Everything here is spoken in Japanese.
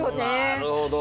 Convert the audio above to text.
なるほど。